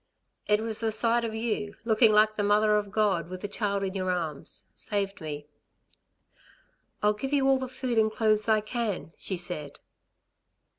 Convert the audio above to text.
"It was the sight of you ... looking like the Mother of God with the child in your arms ... saved me." "I'll give you all the food and clothes I can," she said.